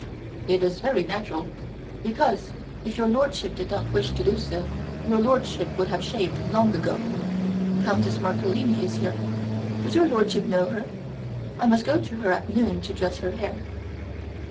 "It is very natural, because, if your lordship did not wish to do so, your lordship would have shaved long ago. Countess Marcolini is here; does your lordship know her? I must go to her at noon to dress her hair."